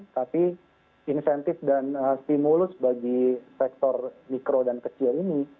tapi insentif dan stimulus bagi sektor mikro dan kecil ini